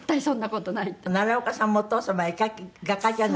奈良岡さんもお父様絵描き画家じゃない？